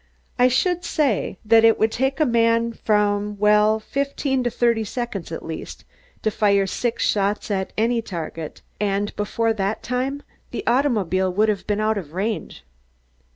I should say that it would take a man from well, from fifteen to thirty seconds, at least, to fire six shots at any target, and before that time, the automobile would have been out of range."